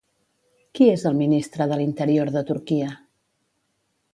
Qui és el ministre de l'Interior de Turquia?